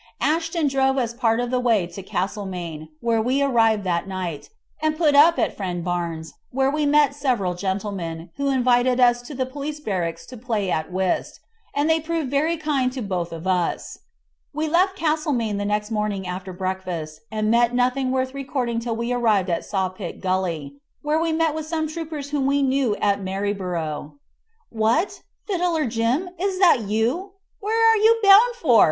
Ashton drove us part of the way to Castlemaine, where we arrived that night, and put up at friend Barnes', where we met several gentlemen, who invited us to the police barracks to play at whist, and they proved very kind to both of us. We left Castlemaine the next morning after breakfast, and met nothing worth recording till we arrived at Sawpit Gully, where we met with some troopers whom we knew at Maryborough. "What! Fiddler Jim, is that you? where are you bound for?"